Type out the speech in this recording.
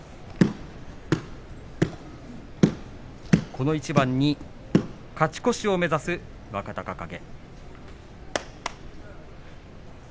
この一番に勝ち越しを懸ける若隆景。